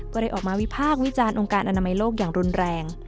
ก็ได้ออกมาวิพากษ์วิจารณ์องค์การอนามัยโลกอย่างรุนแรง